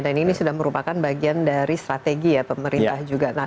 dan ini sudah merupakan bagian dari strategi ya pemerintah juga